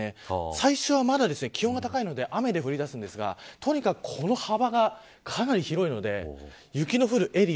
最初はまだ気温が高いので雨で降りだすんですがとにかくこの幅がかなり広いので雪の降るエリア